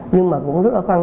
nhưng mà cũng rất là khó khăn